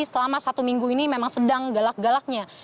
selama satu minggu ini memang sedang galak galaknya